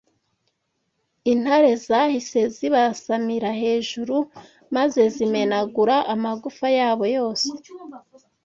Intare zahise zibasamira hejuru maze zimenagura amagufwa yabo yose